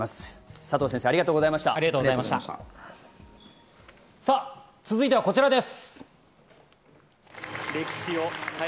佐藤先生、ありがとうご続いてはこちらです。